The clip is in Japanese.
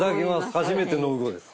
初めてのうごです。